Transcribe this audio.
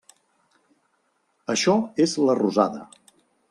Això és la rosada.